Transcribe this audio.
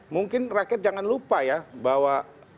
mungkin rakyat jangan lupa ya bahwa